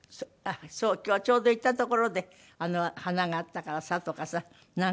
「今日はちょうど行った所で花があったからさ」とかさなんか。